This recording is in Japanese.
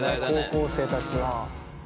高校生たちは。